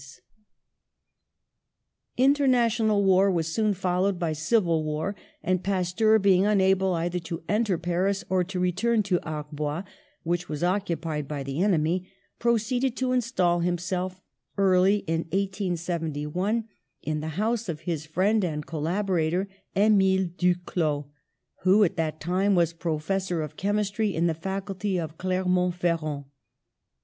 THE SPIRIT OF PATRIOTISM 107 International war was soon followed by civil war, and Pasteur, being unable either to enter Paris or to return to Arbois, which was occupied by the enemy, proceeded to install himself, early in 1871, in the house of his friend and col laborator, Emile Duclaux, who at that time was professor of chemistry in the Faculty of Cler mont Ferrand.